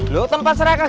lu tempat serakah